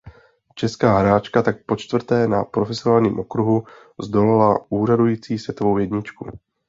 Česká hráčka tak počtvrté na profesionálním okruhu zdolala úřadující světovou jedničku.